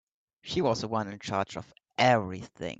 She was the one in charge of everything.